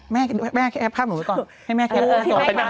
แม่แคปแคปหนูไว้ก่อนให้แม่แคป